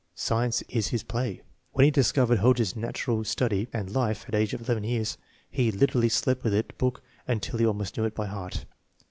Science is his play. When he discovered Hodge's Nature Study and Life at age of 11 years he literally slept with the book till he almost knew it by heart.